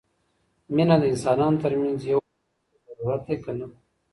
مینه د انسانانو ترمنځ یو اساسي ضرورت دی که نه؟